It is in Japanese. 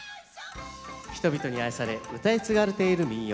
人々に愛されうたい継がれている民謡。